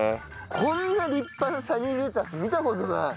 こんな立派なサニーレタス見た事ない！